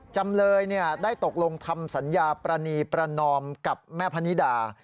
จำเลยได้ตกลงทำสัญญาปรณีประนอมกับแม่พนิดา